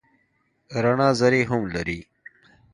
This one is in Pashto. رڼا ذرې هم لري.